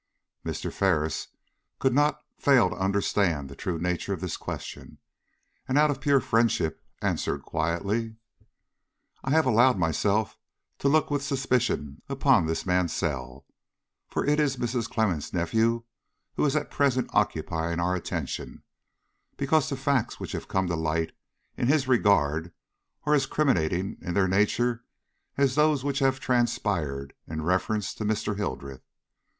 Mr. Ferris could not fail to understand the true nature of this question, and out of pure friendship answered quietly: "I have allowed myself to look with suspicion upon this Mansell for it is Mrs. Clemmens' nephew who is at present occupying our attention, because the facts which have come to light in his regard are as criminating in their nature as those which have transpired in reference to Mr. Hildreth.